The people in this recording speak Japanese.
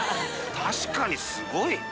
確かにすごい！